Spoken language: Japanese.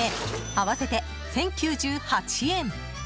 合わせて１０９８円。